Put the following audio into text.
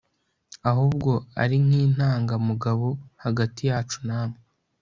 ahubwo ari nk'intangamugabo hagati yacu namwe ..